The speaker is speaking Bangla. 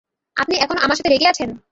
আপনি এখনো আমার সাথে রেগে আছেন?